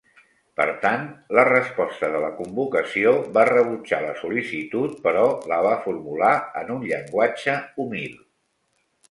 Per tant, la resposta de la Convocació va rebutjar la sol·licitud però la va formular en un llenguatge humil.